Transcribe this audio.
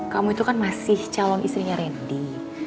kamu itu kan masih calon istrinya randy